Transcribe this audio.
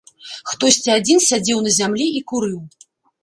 Хтосьці адзін сядзеў на зямлі і курыў.